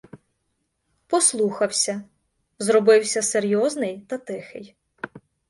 Послухався — зробився серйозний та тихий.